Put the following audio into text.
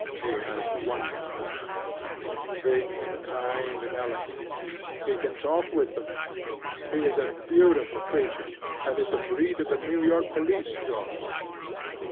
He has wonderful eyesŌĆöbig, and kind, and eloquent. He can talk with them. He is a beautiful creature, and is of the breed of the New York police dogs.